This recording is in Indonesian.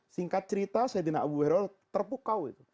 singkat cerita saidina abu hurairah terpukau itu